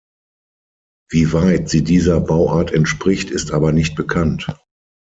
Wie weit sie dieser Bauart entspricht, ist aber nicht bekannt.